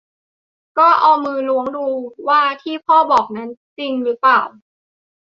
ก็เอามือล้วงดูว่าที่พ่อบอกนั้นจะจริงหรือเปล่า